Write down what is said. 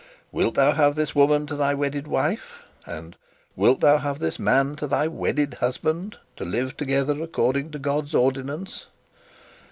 'Wilt thou have this woman to thy wedded wife?' and 'Wilt thou have this man to thy wedded husband, to live together according to God's ordinance?'